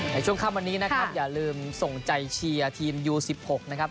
ในช่วงค่ำวันนี้นะครับอย่าลืมส่งใจเชียร์ทีมยู๑๖นะครับ